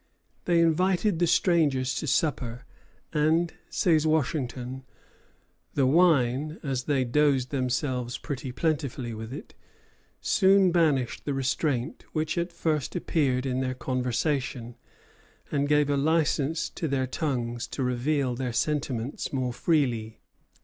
They invited the strangers to supper; and, says Washington, "the wine, as they dosed themselves pretty plentifully with it, soon banished the restraint which at first appeared in their conversation, and gave a license to their tongues to reveal their sentiments more freely.